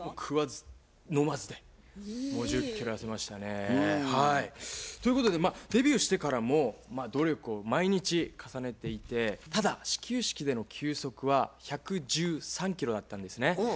食わず飲まずでもう１０キロ痩せましたね。ということでまあデビューしてからも努力を毎日重ねていてただ始球式での球速は１１３キロだったんですね。